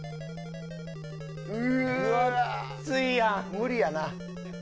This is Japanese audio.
無理やな。